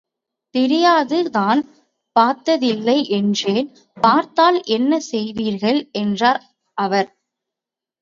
தெரியாது நான் பாத்ததில்லை என்றேன். பார்த்தால் என்ன செய்வீர்கள்? என்றார் அவர்.